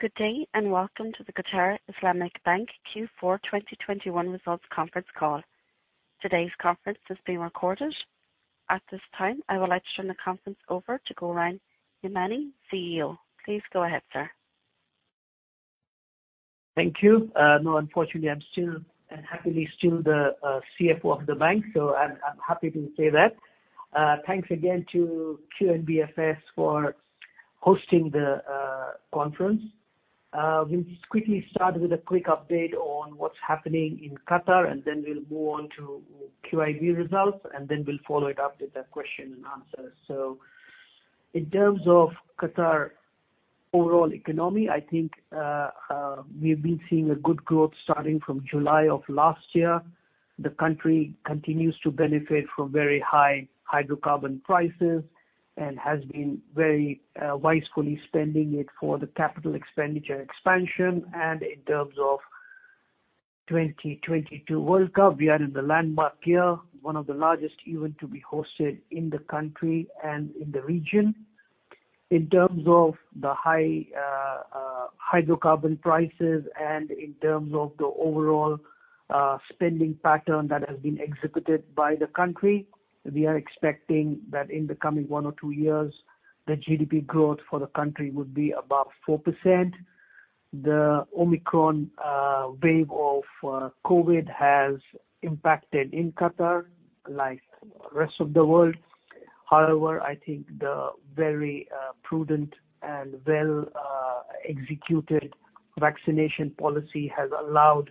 Good day, and welcome to the Qatar Islamic Bank Q4 2021 results conference call. Today's conference is being recorded. At this time, I would like to turn the conference over to Gourang Hemani, CEO. Please go ahead, sir. Thank you. Unfortunately, I'm still, and happily still the CFO of the bank, I'm happy to say that. Thanks again to QNBFS for hosting the conference. We'll just quickly start with a quick update on what's happening in Qatar, then we'll move on to QIB results, then we'll follow it up with the question and answers. In terms of Qatar overall economy, I think we've been seeing a good growth starting from July of last year. The country continues to benefit from very high hydrocarbon prices and has been very wisely spending it for the capital expenditure expansion. In terms of 2022 World Cup, we are in the landmark year, one of the largest event to be hosted in the country and in the region. In terms of the high hydrocarbon prices and in terms of the overall spending pattern that has been executed by the country, we are expecting that in the coming one or two years, the GDP growth for the country would be above 4%. The Omicron wave of COVID has impacted in Qatar like rest of the world. However, I think the very prudent and well-executed vaccination policy has allowed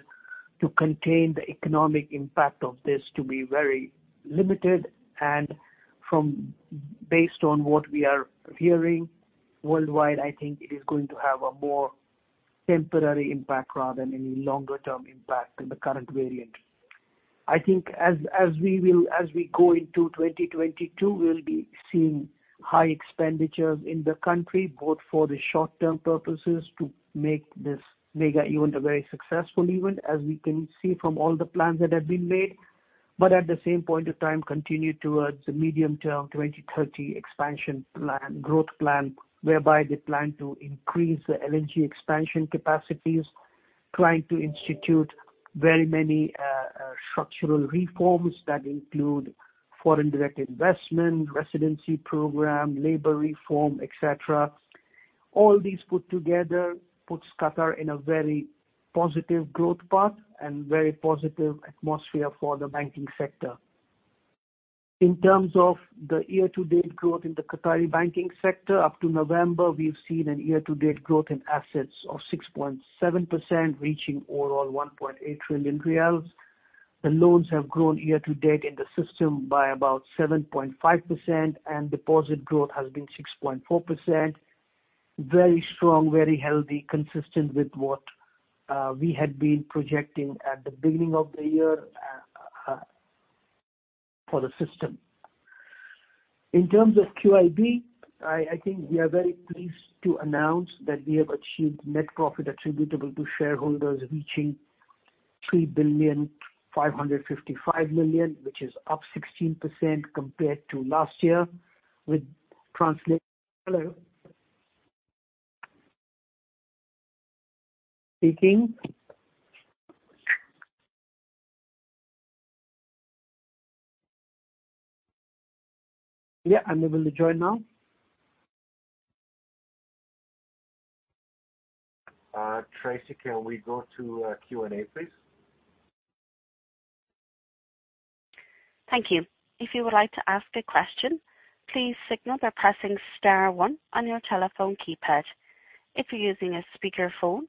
to contain the economic impact of this to be very limited. Based on what we are hearing worldwide, I think it is going to have a more temporary impact rather than any longer-term impact in the current variant. I think as we go into 2022, we'll be seeing high expenditures in the country, both for the short-term purposes to make this mega event a very successful event as we can see from all the plans that have been made. At the same point of time, continue towards the medium-term 2030 expansion growth plan, whereby they plan to increase the LNG expansion capacities, plan to institute very many structural reforms that include foreign direct investment, residency program, labor reform, et cetera. All these put together puts Qatar in a very positive growth path and very positive atmosphere for the banking sector. In terms of the year-to-date growth in the Qatari banking sector, up to November, we've seen a year-to-date growth in assets of 6.7%, reaching overall 1.8 trillion riyals. The loans have grown year-to-date in the system by about 7.5%, and deposit growth has been 6.4%. Very strong, very healthy, consistent with what we had been projecting at the beginning of the year for the system. In terms of QIB, I think we are very pleased to announce that we have achieved net profit attributable to shareholders reaching QR 3,555,000 million which is up 16% compared to last year. Hello. Speaking. Yeah, they will join now. Tracy, can we go to Q&A, please? Thank you. If you would like to ask a question, please signal by pressing star one on your telephone keypad. If you're using a speakerphone,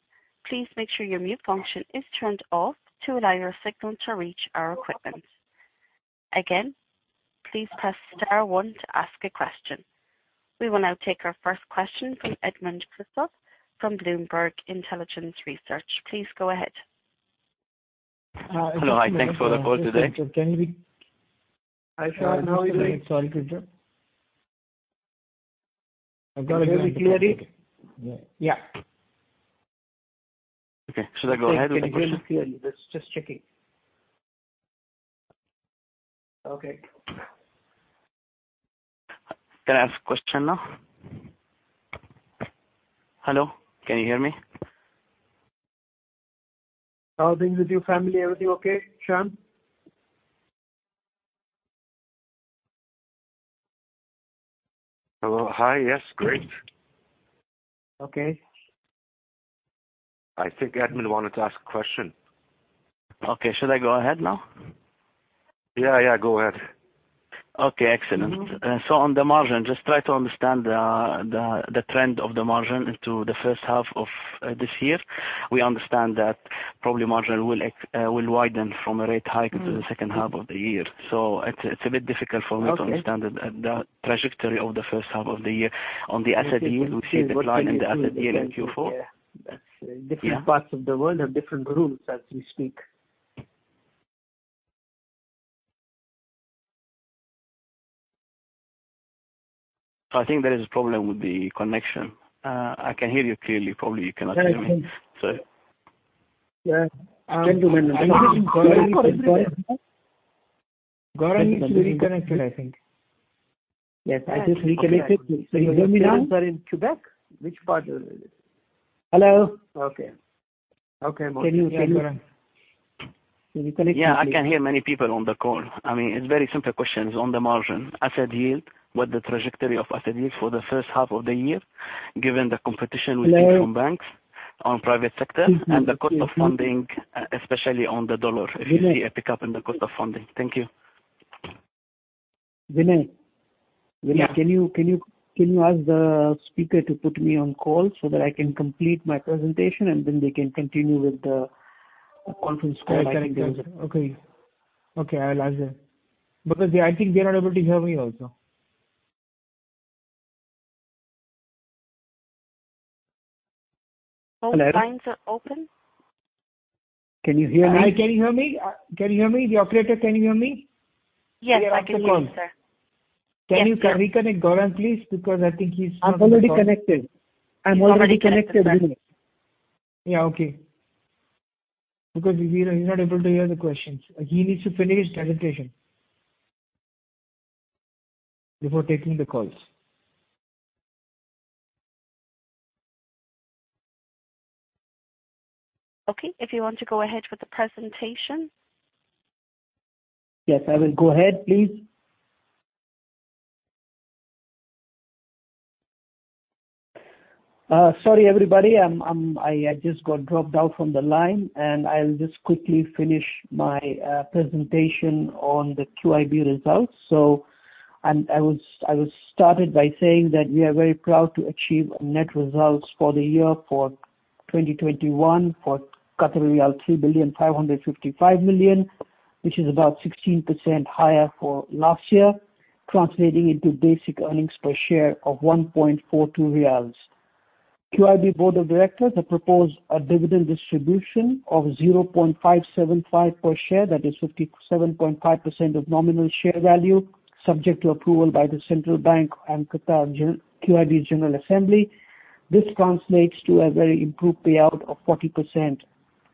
please make sure your mute function is turned off to allow your signal to reach our equipment. Again, please press star one to ask a question. We will now take our first question from Edmond Christou from Bloomberg Intelligence Research. Please go ahead. Hello. Hi. Thanks for the call today. Can we I can't hear you. It's all good. Can you hear me clearly? Yeah. Yeah. Okay. Should I go ahead with the question? Can you hear me clearly? Just checking. Okay. Can I ask a question now? Hello, can you hear me? How are things with you? Family, everything okay, Sean? Hello. Hi. Yes. Great. Okay. I think Edmond wanted to ask a question. Okay. Should I go ahead now? Yeah. Go ahead. Okay. Excellent. On the margin, just try to understand the trend of the margin into the first half of this year. We understand that probably margin will widen from a rate hike into the second half of the year. It's a bit difficult for me to understand the trajectory of the first half of the year. On the asset yield, we've seen a decline in the asset yield in Q4. Different parts of the world have different rules as we speak. I think there is a problem with the connection. I can hear you clearly. Probably you cannot hear me. Yeah, I think. Yeah. Can do, Madan. I think Gourang needs to join. Gourang needs to reconnect, I think. Yes, I just reconnected. Can you hear me now? Your parents are in Quebec? Which part? Hello. Okay. Okay, Mohit. Can you, Gourang? Can you connect please? Yeah, I can hear many people on the call. It's very simple questions on the margin. Asset yield, what the trajectory of asset yield for the first half of the year, given the competition we see from banks on private sector and the cost of funding, especially on the dollar, if you see a pickup in the cost of funding? Thank you. Vinay? Yeah. Vinay, can you ask the speaker to put me on call so that I can complete my presentation and then they can continue with the conference call? Yeah, I can do that. Okay. I'll ask them. I think they're not able to hear me also. All lines are open. Can you hear me? Hi, can you hear me? The operator, can you hear me? Yes, I can hear you, sir. Can you reconnect Gourang, please? I think I'm already connected. He's already connected, sir. Yeah, okay. He's not able to hear the questions. He needs to finish his presentation before taking the calls. Okay. If you want to go ahead with the presentation. Yes, I will go ahead please. Sorry, everybody. I just got dropped out from the line, and I'll just quickly finish my presentation on the QIB results. I will start it by saying that we are very proud to achieve net results for the year for 2021 for 3,555,000, which is about 16% higher for last year, translating into basic earnings per share of 1.42 riyals. QIB board of directors have proposed a dividend distribution of 0.575 per share. That is 57.5% of nominal share value, subject to approval by the Central Bank and QIB General Assembly. This translates to a very improved payout of 40%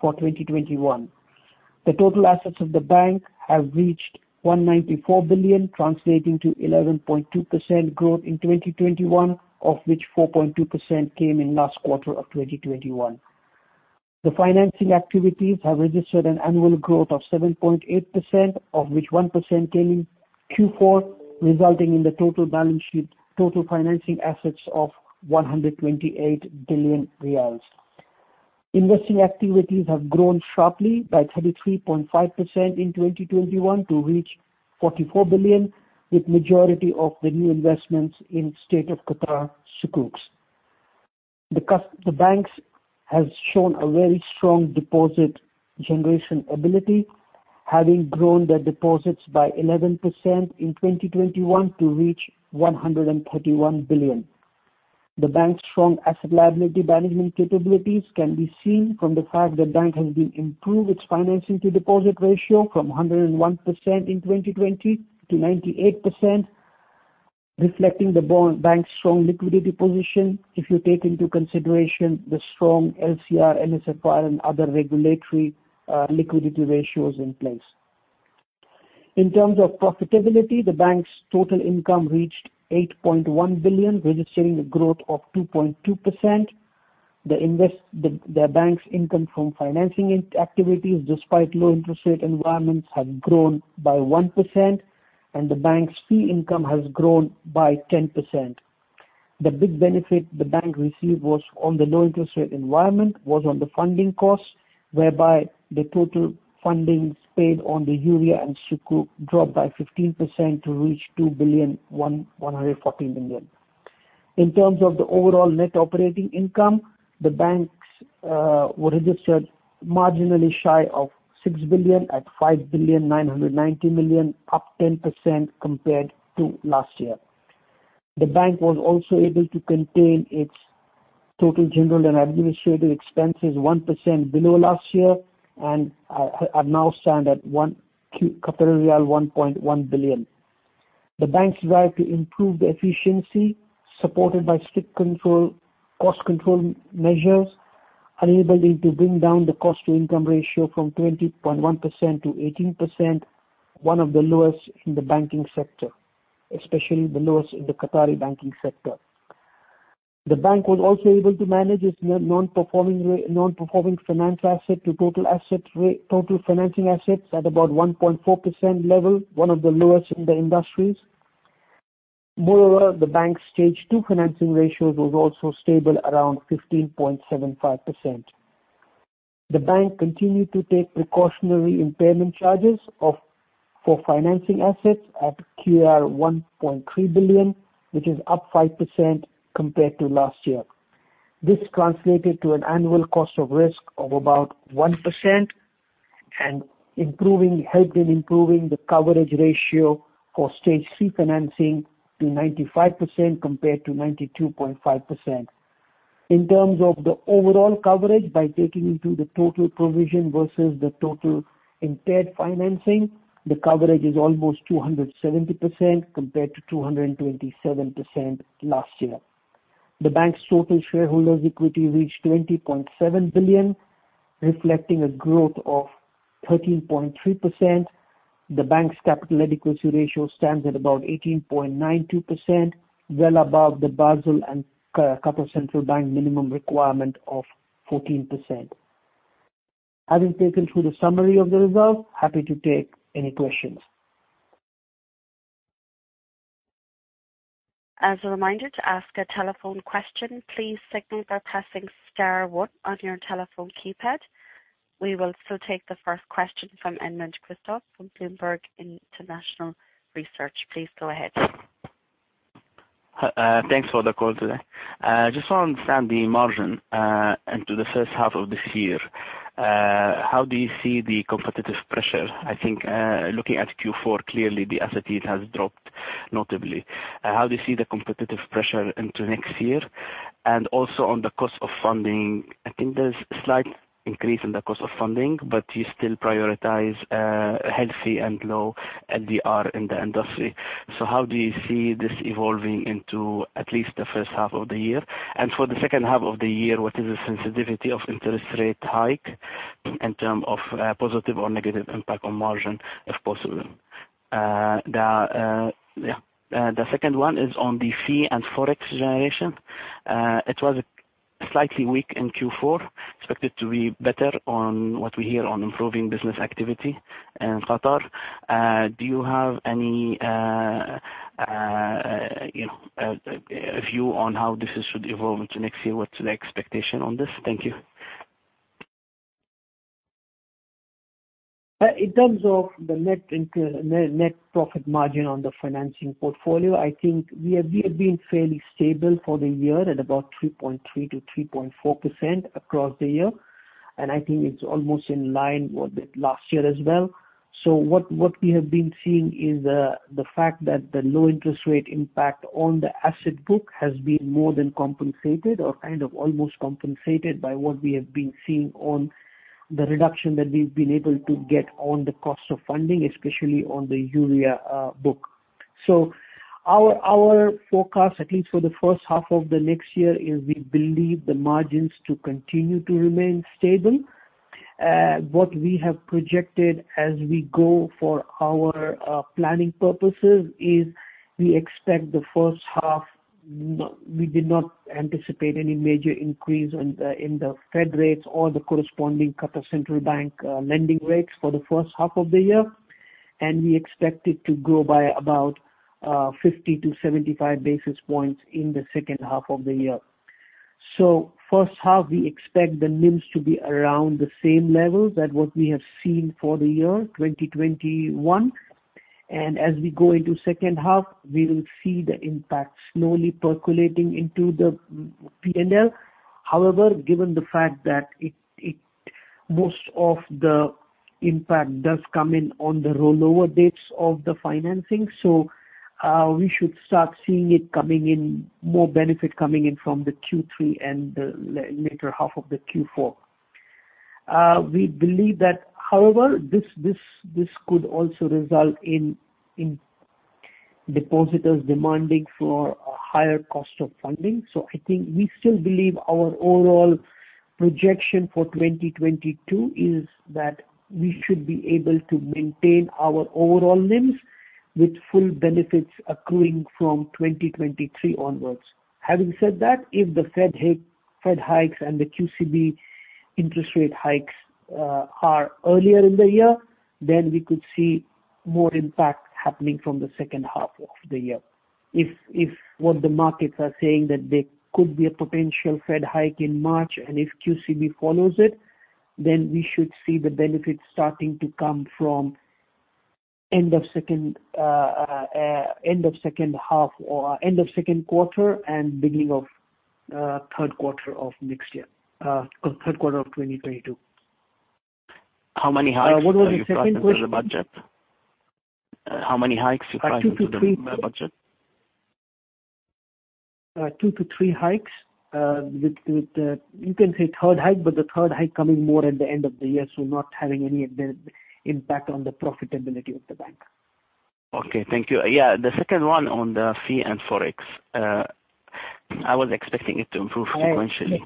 for 2021. The total assets of the bank have reached 194 billion, translating to 11.2% growth in 2021, of which 4.2% came in last quarter of 2021. The financing activities have registered an annual growth of 7.8%, of which 1% came in Q4, resulting in the total balance sheet total financing assets of 128 billion riyals. Investing activities have grown sharply by 33.5% in 2021 to reach 44 billion, with majority of the new investments in State of Qatar Sukuks. The bank has shown a very strong deposit generation ability, having grown their deposits by 11% in 2021 to reach 131 billion. The bank's strong asset liability management capabilities can be seen from the fact the bank has improved its financing to deposit ratio from 101% in 2020 to 98%, reflecting the bank's strong liquidity position, if you take into consideration the strong LCR, NSFR, and other regulatory liquidity ratios in place. In terms of profitability, the bank's total income reached 8.1 billion, registering a growth of 2.2%. The bank's income from financing activities, despite low interest rate environments, have grown by 1%, and the bank's fee income has grown by 10%. The big benefit the bank received was on the low interest rate environment was on the funding costs, whereby the total fundings paid on the Ijarah and Sukuk dropped by 15% to reach 2.114 billion. In terms of the overall net operating income, the bank registered marginally shy of 6 billion at 5,990 million, up 10% compared to last year. The bank was also able to contain its total general and administrative expenses 1% below last year and now stand at 1.1 billion. The bank's drive to improve the efficiency, supported by strict cost control measures, enabling to bring down the cost to income ratio from 20.1% to 18%, one of the lowest in the banking sector, especially the lowest in the Qatari banking sector. The bank was also able to manage its non-performing financial assets to total financing assets at about 1.4% level, one of the lowest in the industry. Moreover, the bank's Stage 2 financing ratios were also stable around 15.75%. The bank continued to take precautionary impairment charges for financing assets at 1.3 billion, which is up 5% compared to last year. This translated to an annual cost of risk of about 1% and helped in improving the coverage ratio for Stage 3 financing to 95% compared to 92.5%. In terms of the overall coverage, by taking into the total provision versus the total impaired financing, the coverage is almost 270% compared to 227% last year. The bank's total shareholders' equity reached 20.7 billion, reflecting a growth of 13.3%. The bank's capital adequacy ratio stands at about 18.92%, well above the Basel and Qatar Central Bank minimum requirement of 14%. Having taken through the summary of the results, happy to take any questions. As a reminder, to ask a telephone question, please signal by pressing star one on your telephone keypad. We will so take the first question from Edmond Christou from Bloomberg Intelligence Research. Please go ahead. Thanks for the call today. Just want to understand the margin into the first half of this year. How do you see the competitive pressure? I think, looking at Q4, clearly the asset yield has dropped notably. How do you see the competitive pressure into next year? Also on the cost of funding, I think there's a slight increase in the cost of funding, but you still prioritize healthy and low LDR in the industry. How do you see this evolving into at least the first half of the year? For the second half of the year, what is the sensitivity of interest rate hike in term of positive or negative impact on margin, if possible? The second one is on the fee and Forex generation. It was slightly weak in Q4, expected to be better on what we hear on improving business activity in Qatar. Do you have any view on how this should evolve into next year? What's the expectation on this? Thank you. In terms of the net profit margin on the financing portfolio, I think we have been fairly stable for the year at about 3.3%-3.4% across the year, and I think it's almost in line with last year as well. What we have been seeing is the fact that the low interest rate impact on the asset book has been more than compensated or kind of almost compensated by what we have been seeing on the reduction that we've been able to get on the cost of funding, especially on the Urrea book. Our forecast, at least for the first half of the next year, is we believe the margins to continue to remain stable. What we have projected as we go for our planning purposes is we expect the first half, we did not anticipate any major increase in the Fed rates or the corresponding Qatar Central Bank lending rates for the first half of the year, and we expect it to grow by about 50-75 basis points in the second half of the year. First half, we expect the NIMs to be around the same level that what we have seen for the year 2021. As we go into second half, we will see the impact slowly percolating into the P&L. However, given the fact that most of the impact does come in on the rollover dates of the financing, so we should start seeing more benefit coming in from the Q3 and the latter half of the Q4. We believe that however, this could also result in depositors demanding for a higher cost of funding. I think we still believe our overall projection for 2022 is that we should be able to maintain our overall NIMs with full benefits accruing from 2023 onwards. Having said that, if the Fed hikes and the QCB interest rate hikes are earlier in the year, then we could see more impact happening from the second half of the year. If what the markets are saying, that there could be a potential Fed hike in March, and if QCB follows it, then we should see the benefits starting to come from end of second quarter and beginning of third quarter of next year, third quarter of 2022. How many hikes are you pricing for the budget? What was the second question? How many hikes are you pricing for the budget? 2 to 3 hikes. You can say third hike, but the third hike coming more at the end of the year, so not having any impact on the profitability of the bank. Okay. Thank you. The second one on the fee and Forex. I was expecting it to improve sequentially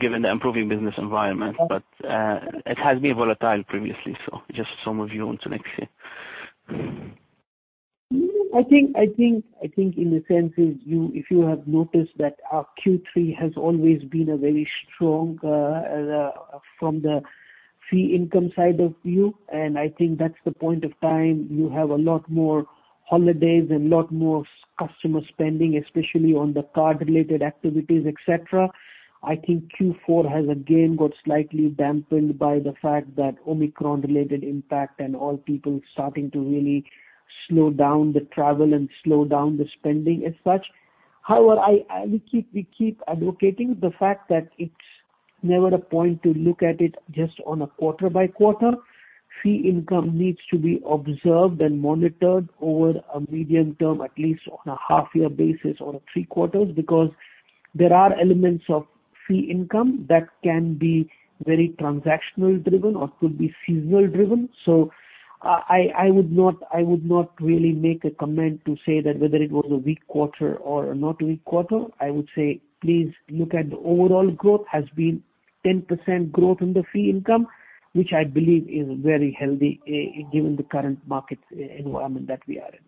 given the improving business environment, but it has been volatile previously. I just want to make sure. I think in a sense, if you have noticed that our Q3 has always been very strong from the fee income side of view. I think that's the point of time you have a lot more holidays and a lot more customer spending, especially on the card-related activities, et cetera. I think Q4 has again got slightly dampened by the fact that Omicron-related impact and all people starting to really slow down the travel and slow down the spending as such. However, we keep advocating the fact that it's never a point to look at it just on a quarter by quarter. Fee income needs to be observed and monitored over a medium term, at least on a half-year basis or a three quarters, because there are elements of fee income that can be very transactionally driven or could be seasonally driven. I would not really make a comment to say that whether it was a weak quarter or a not weak quarter. I would say please look at the overall growth has been 10% growth in the fee income, which I believe is very healthy given the current market environment that we are in.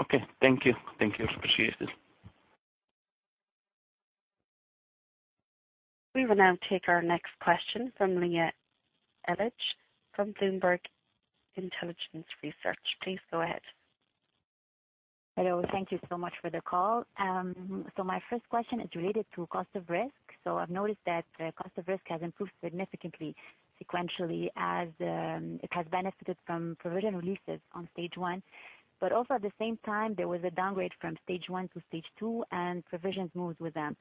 Okay. Thank you. Appreciate it. We will now take our next question from Lynette Elitch from Bloomberg Intelligence Research. Please go ahead. Hello. Thank you so much for the call. My first question is related to cost of risk. I've noticed that the cost of risk has improved significantly sequentially as it has benefited from provision releases on stage 1. Also at the same time, there was a downgrade from stage 1 to stage 2 and provisions moved with them.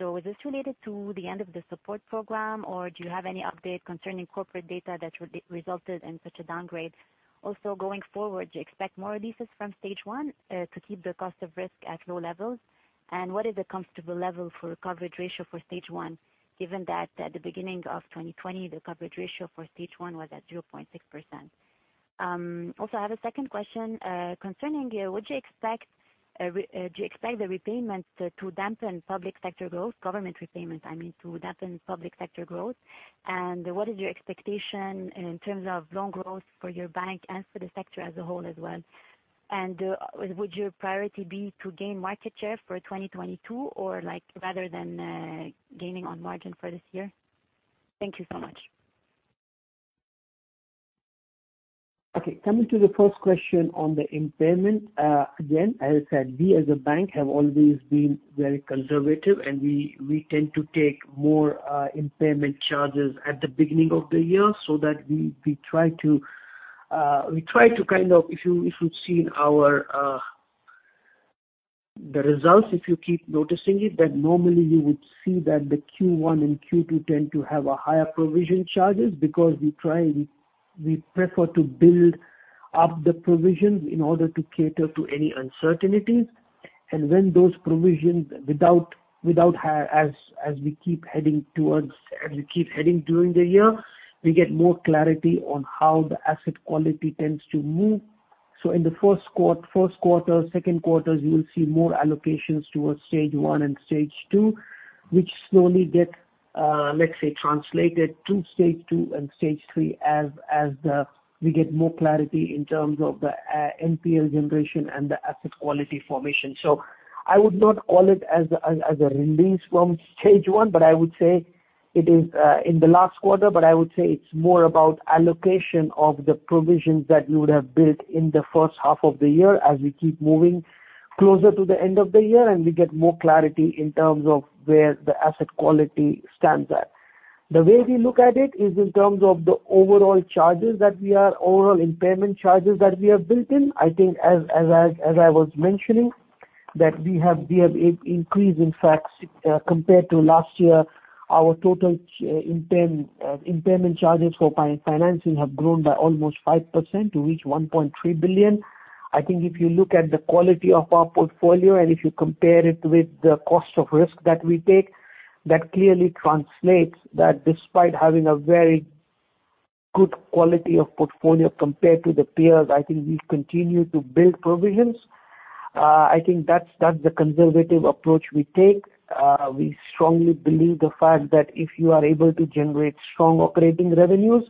Is this related to the end of the support program, or do you have any update concerning corporate data that resulted in such a downgrade? Also going forward, do you expect more releases from stage 1 to keep the cost of risk at low levels? And what is a comfortable level for coverage ratio for stage 1, given that at the beginning of 2020, the coverage ratio for stage 1 was at 0.6%? I have a second question concerning would you expect the repayment to dampen public sector growth, government repayment, I mean, to dampen public sector growth? What is your expectation in terms of loan growth for your bank and for the sector as a whole as well? Would your priority be to gain market share for 2022 or like rather than gaining on margin for this year? Thank you so much. Coming to the first question on the impairment. Again, as I said, we as a bank have always been very conservative and we tend to take more impairment charges at the beginning of the year so that we try to kind of, if you keep noticing it, that normally you would see that the Q1 and Q2 tend to have higher provision charges because we prefer to build up the provisions in order to cater to any uncertainties. When those provisions, as we keep heading during the year, we get more clarity on how the asset quality tends to move. In the first quarter, second quarters, you will see more allocations towards stage 1 and stage 2, which slowly get let's say, translated to stage 2 and stage 3 as we get more clarity in terms of the NPL generation and the asset quality formation. I would not call it as a release from stage 1 in the last quarter, but I would say it's more about allocation of the provisions that you would have built in the first half of the year as we keep moving closer to the end of the year and we get more clarity in terms of where the asset quality stands at. The way we look at it is in terms of the overall impairment charges that we have built in. I think as I was mentioning, that we have increased, in fact compared to last year, our total impairment charges for financing have grown by almost 5% to reach 1.3 billion. I think if you look at the quality of our portfolio and if you compare it with the cost of risk that we take, that clearly translates that despite having a very good quality of portfolio compared to the peers, I think we continue to build provisions. I think that's the conservative approach we take. We strongly believe the fact that if you are able to generate strong operating revenues,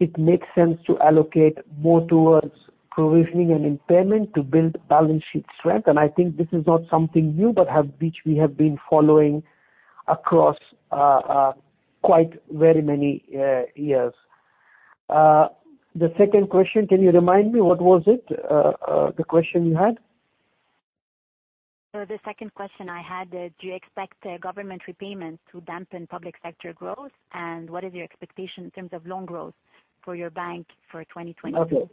it makes sense to allocate more towards provisioning and impairment to build balance sheet strength. I think this is not something new which we have been following across quite very many years. The second question, can you remind me what was it? The question you had. The second question I had is, do you expect government repayments to dampen public sector growth? What is your expectation in terms of loan growth for your bank for 2022? Okay.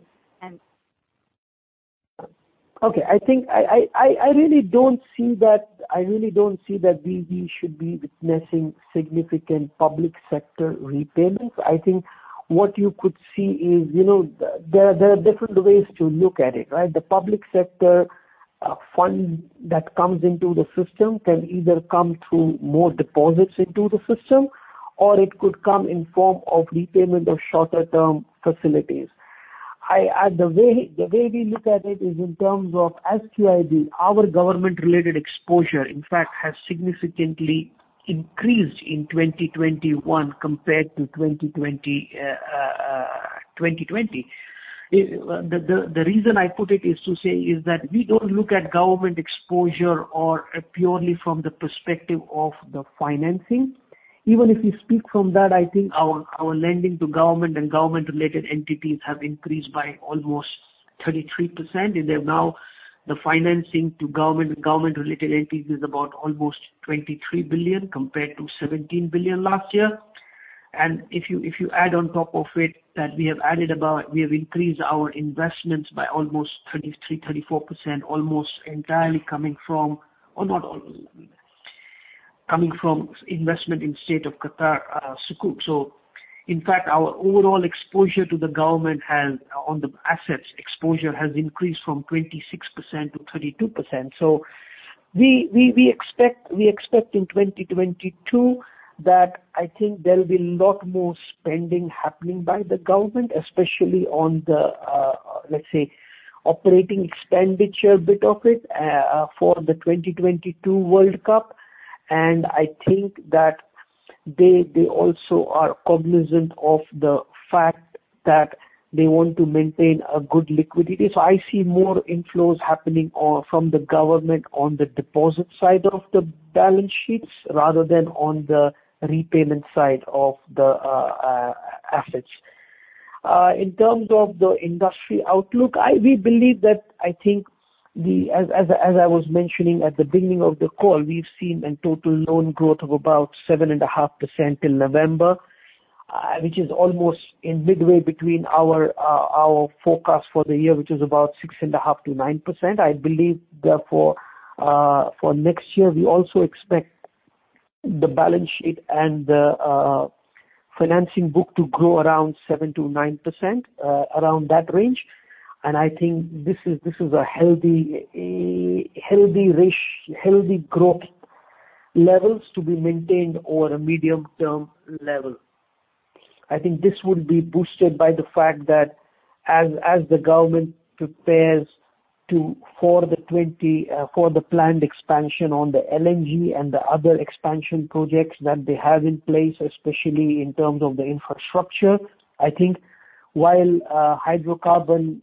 I really don't see that we should be witnessing significant public sector repayments. I think what you could see is there are different ways to look at it, right? The public sector fund that comes into the system can either come through more deposits into the system or it could come in form of repayment of shorter term facilities. The way we look at it is in terms of QIB, our government-related exposure, in fact, has significantly increased in 2021 compared to 2020. The reason I put it is to say is that we don't look at government exposure or purely from the perspective of the financing. Even if we speak from that, I think our lending to government and government-related entities have increased by almost 33%. The financing to government and government-related entities is about almost 23 billion compared to 17 billion last year. If you add on top of it that we have increased our investments by almost 33%-34%, almost entirely coming from investment in State of Qatar Sukuk. In fact, our overall exposure to the government on the assets exposure has increased from 26%-32%. We expect in 2022 that I think there will be a lot more spending happening by the government, especially on the, let's say, operating expenditure bit of it for the 2022 World Cup. I think that they also are cognizant of the fact that they want to maintain a good liquidity. I see more inflows happening from the government on the deposit side of the balance sheets, rather than on the repayment side of the assets. In terms of the industry outlook, we believe that, I think as I was mentioning at the beginning of the call, we've seen a total loan growth of about 7.5% in November, which is almost in midway between our forecast for the year, which is about 6.5%-9%. I believe, therefore, for next year, we also expect the balance sheet and the financing book to grow around 7%-9%, around that range. I think this is a healthy growth levels to be maintained over a medium-term level. I think this would be boosted by the fact that as the government prepares for the planned expansion on the LNG and the other expansion projects that they have in place, especially in terms of the infrastructure. I think while hydrocarbon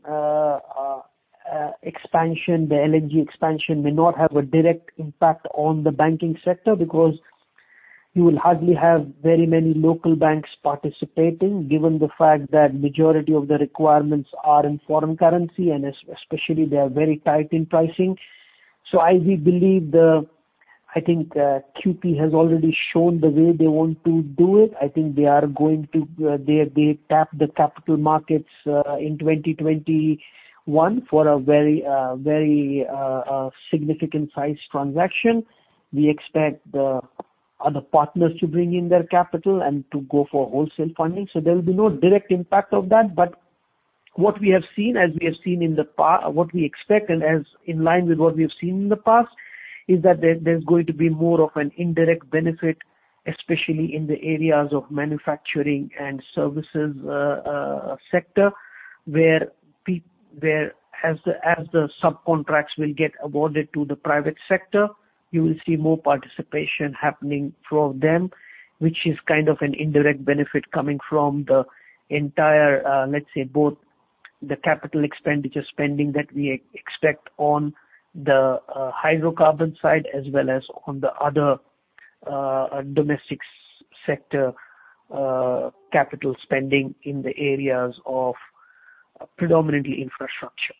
expansion, the LNG expansion may not have a direct impact on the banking sector because you will hardly have very many local banks participating, given the fact that majority of the requirements are in foreign currency, and especially they are very tight in pricing. I think QP has already shown the way they want to do it. I think they tap the capital markets in 2021 for a very significant size transaction. We expect other partners to bring in their capital and to go for wholesale funding. There will be no direct impact of that, but what we expect and as in line with what we have seen in the past is that there's going to be more of an indirect benefit, especially in the areas of manufacturing and services sector, where as the subcontracts will get awarded to the private sector, you will see more participation happening from them, which is kind of an indirect benefit coming from the entire, let's say, both the capital expenditure spending that we expect on the hydrocarbon side, as well as on the other domestic sector capital spending in the areas of predominantly infrastructure.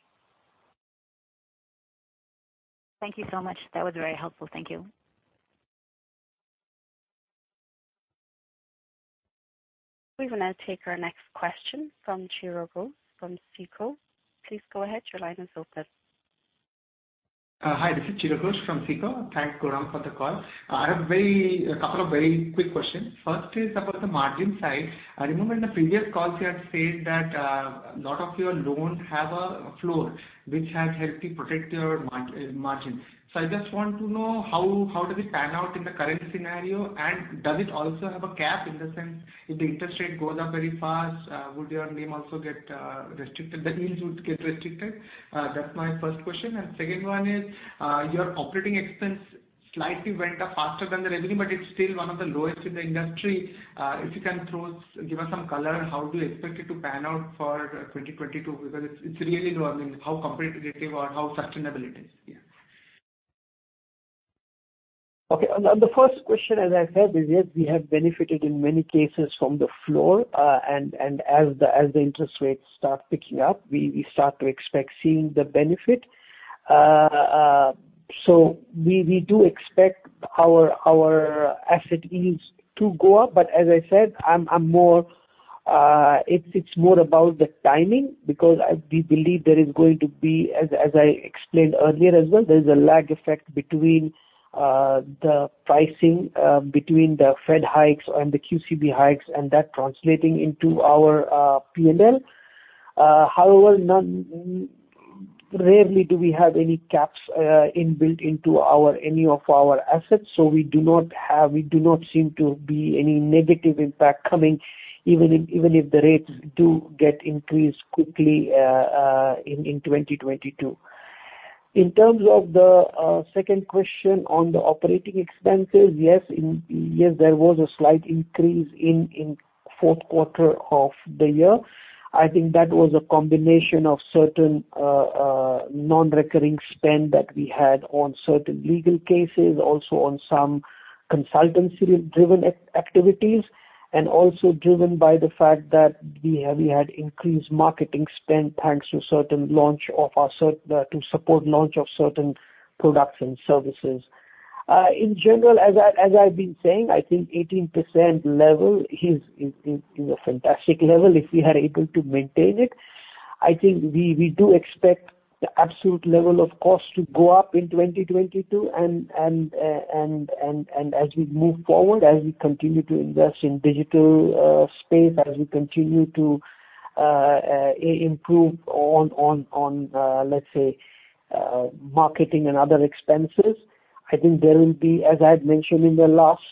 Thank you so much. That was very helpful. Thank you. We're going to take our next question from Chiradeep Ghosh from SICO. Please go ahead. Your line is open. Hi, this is Chiradeep Ghosh from SICO. Thanks, Gourang, for the call. I have a couple of very quick questions. First is about the margin side. I remember in the previous calls you had said that a lot of your loans have a floor which has helped you protect your margin. I just want to know how does it pan out in the current scenario, and does it also have a cap, in the sense if the interest rate goes up very fast, would your NIM also get restricted? The yields would get restricted? That's my first question. Second one is, your operating expense slightly went up faster than the revenue, but it's still one of the lowest in the industry. If you can give us some color, how do you expect it to pan out for 2022? Because it's really low. I mean, how competitive or how sustainable it is? Yeah. Okay. On the first question, as I said, is, yes, we have benefited in many cases from the floor. As the interest rates start picking up, we start to expect seeing the benefit. We do expect our asset yields to go up. As I said, it's more about the timing because we believe there is going to be, as I explained earlier as well, there's a lag effect between the pricing between the Fed hikes and the QCB hikes and that translating into our P&L. However, rarely do we have any caps inbuilt into any of our assets. We do not seem to be any negative impact coming even if the rates do get increased quickly in 2022. In terms of the second question on the operating expenses, yes, there was a slight increase in fourth quarter of the year. I think that was a combination of certain non-recurring spend that we had on certain legal cases, also on some consultancy-driven activities, and also driven by the fact that we had increased marketing spend to support launch of certain products and services. In general, as I've been saying, I think 18% level is a fantastic level if we are able to maintain it. I think we do expect the absolute level of cost to go up in 2022 and as we move forward, as we continue to invest in digital space, as we continue to improve on, let's say, marketing and other expenses. As I had mentioned in the last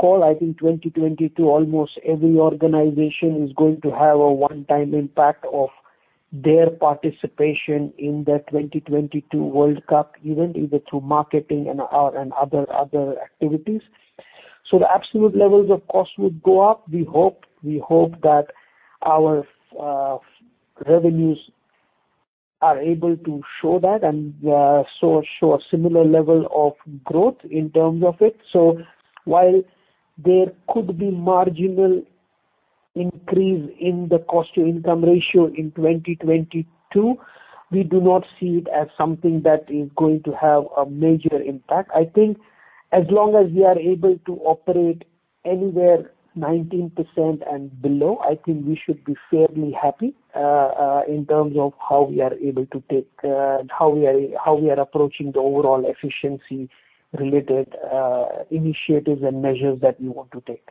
call, I think 2022, almost every organization is going to have a one-time impact of their participation in the 2022 World Cup event, either through marketing and other activities. The absolute levels of cost would go up. We hope that our revenues are able to show that and show a similar level of growth in terms of it. While there could be marginal increase in the cost-to-income ratio in 2022, we do not see it as something that is going to have a major impact. I think as long as we are able to operate anywhere 19% and below, I think we should be fairly happy in terms of how we are approaching the overall efficiency-related initiatives and measures that we want to take.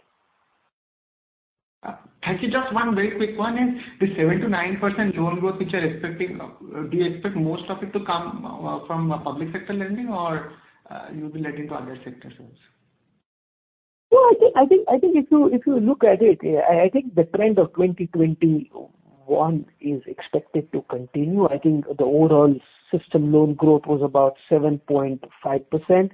Thank you. Just one very quick one is the 7%-9% loan growth which you're expecting. Do you expect most of it to come from public sector lending, or you'll be lending to other sectors also? No, I think if you look at it, I think the trend of 2021 is expected to continue. I think the overall system loan growth was about 7.5%.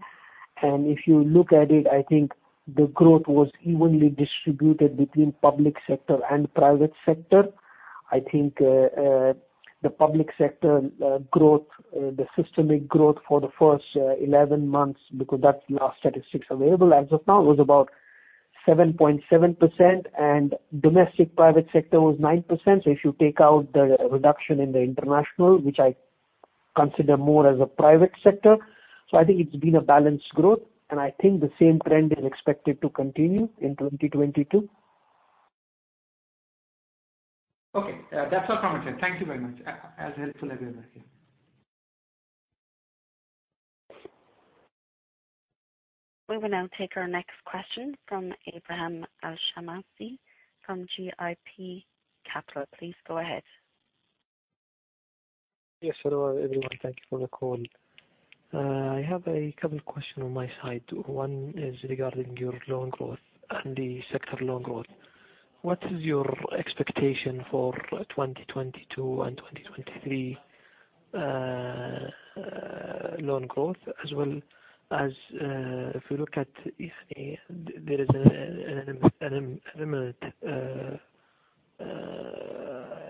If you look at it, I think the growth was evenly distributed between public sector and private sector. I think the public sector growth, the systemic growth for the first 11 months, because that's the last statistics available as of now, was about 7.7%, and domestic private sector was 9%. If you take out the reduction in the international, which I consider more as a private sector. I think it's been a balanced growth, and I think the same trend is expected to continue in 2022. Okay. That's all from my side. Thank you very much. As helpful as ever. We will now take our next question from Ebrahim Al-Shamsi from GIB Capital. Please go ahead. Yes, hello, everyone. Thank you for the call. I have a couple of questions on my side. One is regarding your loan growth and the sector loan growth. What is your expectation for 2022 and 2023 loan growth, as well as if you look at NSFR, there is an imminent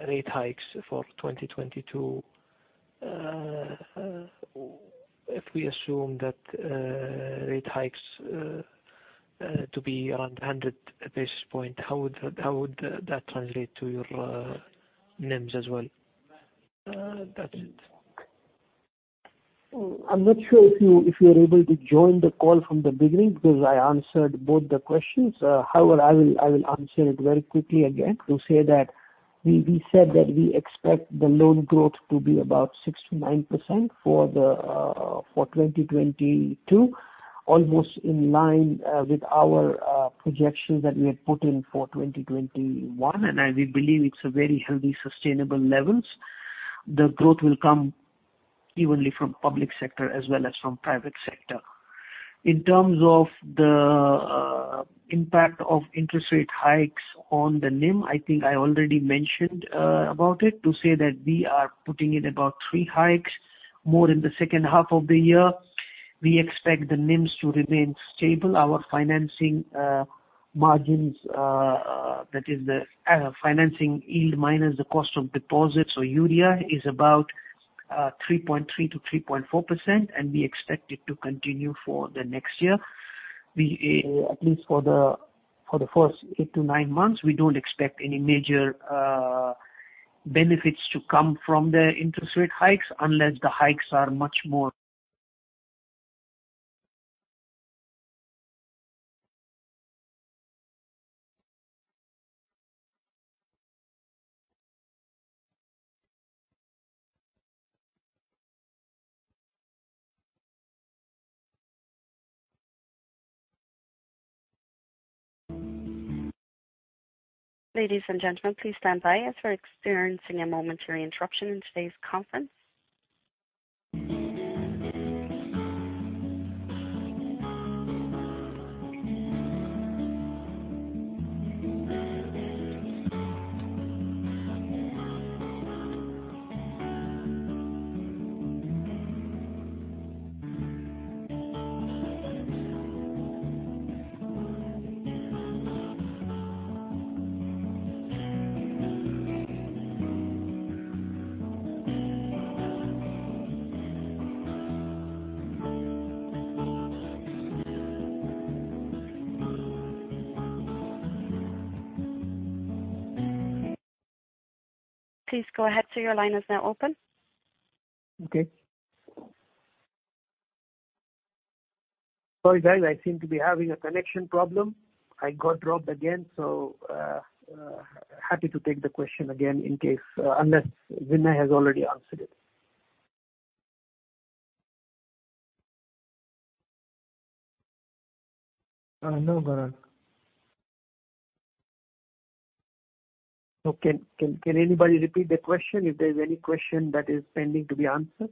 rate hikes for 2022. If we assume that rate hikes to be around 100 basis points, how would that translate to your NIMs as well? That's it. I'm not sure if you were able to join the call from the beginning because I answered both the questions. I will answer it very quickly again to say that we said that we expect the loan growth to be about 6%-9% for 2022, almost in line with our projections that we had put in for 2021. We believe it's a very healthy, sustainable levels. The growth will come evenly from public sector as well as from private sector. In terms of the impact of interest rate hikes on the NIM, I think I already mentioned about it to say that we are putting in about three hikes, more in the second half of the year. We expect the NIMs to remain stable. Our financing margins that is the financing yield minus the Cost of Deposits or UDIA is about 3.3%-3.4%, we expect it to continue for the next year. At least for the first eight to nine months, we don't expect any major benefits to come from the interest rate hikes. Ladies and gentlemen, please stand by as we're experiencing a momentary interruption in today's conference. Please go ahead, sir. Your line is now open. Okay. Sorry, guys. I seem to be having a connection problem. I got dropped again, so happy to take the question again, unless Vinay has already answered it. No, Gourang. Okay. Can anybody repeat the question if there's any question that is pending to be answered?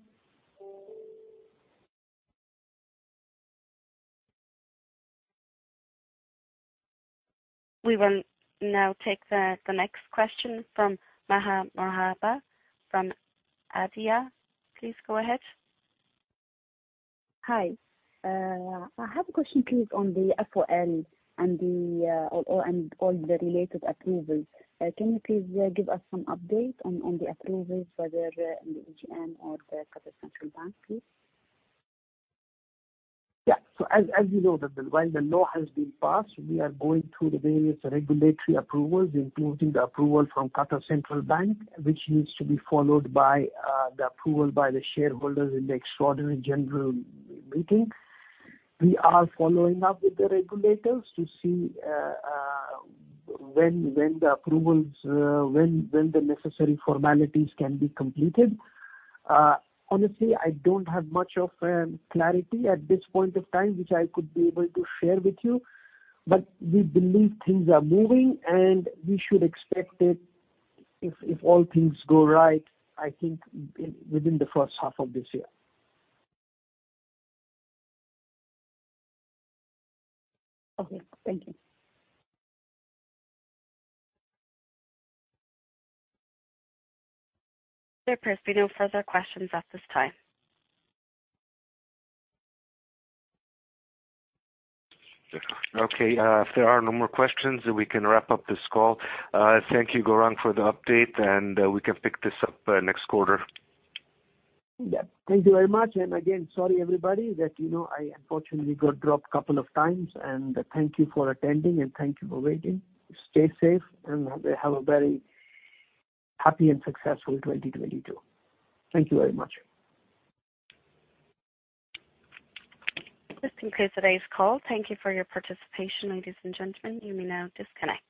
We will now take the next question from Maha Madani from Avia. Please go ahead. Hi. I have a question, please, on the FOL and all the related approvals. Can you please give us some update on the approvals, whether in the EGM or the Qatar Central Bank, please? Yeah. As you know, while the law has been passed, we are going through the various regulatory approvals, including the approval from Qatar Central Bank, which needs to be followed by the approval by the shareholders in the extraordinary general meeting. We are following up with the regulators to see when the necessary formalities can be completed. Honestly, I don't have much of clarity at this point of time, which I could be able to share with you, but we believe things are moving, and we should expect it, if all things go right, I think within the first half of this year. Okay. Thank you. There appears to be no further questions at this time. Okay. If there are no more questions, we can wrap up this call. Thank you, Gourang, for the update, we can pick this up next quarter. Yeah. Thank you very much. Again, sorry, everybody, that I unfortunately got dropped a couple of times. Thank you for attending, and thank you for waiting. Stay safe, and have a very happy and successful 2022. Thank you very much. This concludes today's call. Thank you for your participation, ladies and gentlemen. You may now disconnect.